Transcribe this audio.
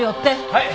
はい。